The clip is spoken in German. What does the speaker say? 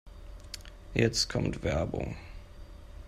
Jetzt kommt Werbung.